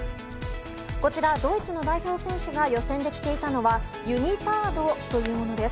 こちら、ドイツの代表選手が予選で着ていたのはユニタードというものです。